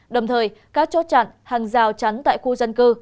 đồng thời các chốt chặn hàng rào chắn tại khu dân cư